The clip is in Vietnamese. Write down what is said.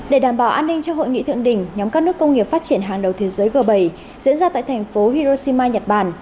để đảm bảo an ninh cho hội nghị thượng đỉnh nhóm các nước công nghiệp phát triển hàng đầu thế giới g bảy diễn ra tại thành phố hiroshima nhật bản